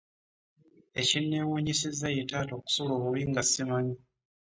Ekinneewunyisizza ye taata okusula obubi nga ssimanyi.